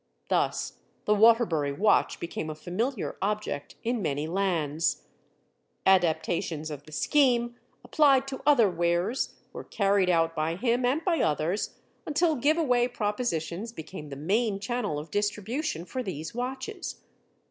Thus, the Waterbury watch became a familiar object in many lands. Adaptations of the scheme, applied to other wares, were carried out by him and by others until giveaway propositions became the main channel of distribution for these watches.